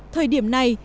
thời điểm này